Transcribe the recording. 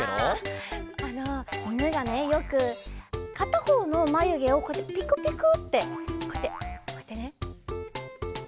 あのいぬがねよくかたほうのまゆげをこうやってピクピクってこうやってこうやってね。